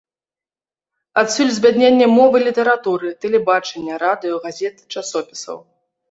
Адсюль збядненне мовы літаратуры, тэлебачання, радыё, газет, часопісаў.